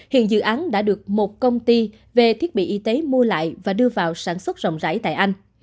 hiện dự án đã được một công ty về thiết bị y tế mua lại và đưa vào sản xuất rộng rãi tại anh